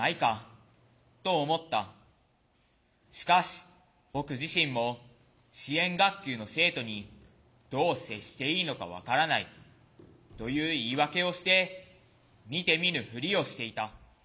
しかし僕自身も支援学級の生徒にどう接していいのか分からないという言い訳をして見て見ぬふりをしていた。